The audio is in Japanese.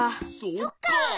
そっか。